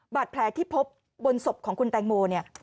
บาดแผลที่พบบนศพของคุณแตงโมเนี่ย